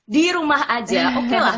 di rumah saja oke lah